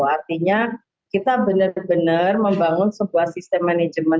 artinya kita benar benar membangun sebuah sistem manajemen